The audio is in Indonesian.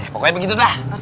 pokoknya begitu dah